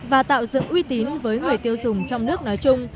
và tạo dựng uy tín với người tiêu dùng trong nước nói chung